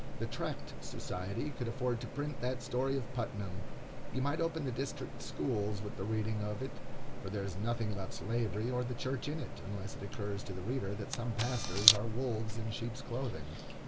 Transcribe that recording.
The Tract Society could afford to print that story of Putnam. You might open the district schools with the reading of it, for there is nothing about Slavery or the Church in it; unless it occurs to the reader that some pastors are wolves in sheep's clothing.